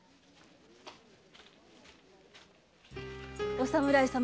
お侍様